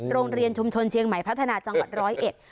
โรงเรียนชมชนเชียงใหม่พัฒนาจังหวัด๑๐๑